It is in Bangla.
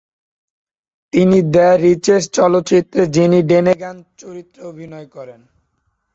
তিনি "দ্য রিচেস" চলচ্চিত্রে জিনি ডেনেগান চরিত্রে অভিনয় করেন।